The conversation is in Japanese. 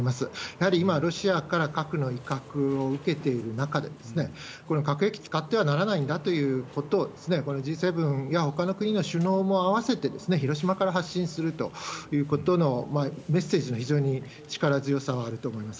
やはり今、ロシアから核の威嚇を受けている中で、これ、核兵器使ってはならないんだということを、このＧ７やほかの国の首脳も合わせて、広島から発信するということのメッセージの非常に力強さはあると思います。